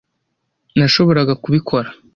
nashoboraga kubikora.